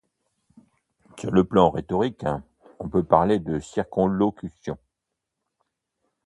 Sur le plan rhétorique, on peut parler de circonlocution.